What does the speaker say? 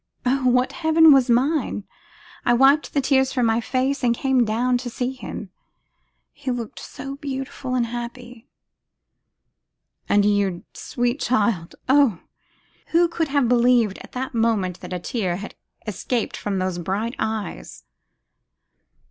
Oh! what heaven was mine! I wiped the tears from my face and came down to see him. He looked so beautiful and happy!' 'And you, sweet child, oh! who could have believed, at that moment, that a tear had escaped from those bright eyes!